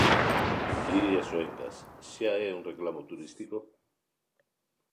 Iria Soengas, xa é un reclamo turístico?